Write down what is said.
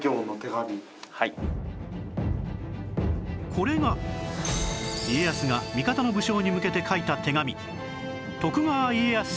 これが家康が味方の武将に向けて書いた手紙